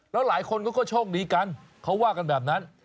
แล้วหลายคนก็ช่องหนีกันเขาว่ากันแบบนั้น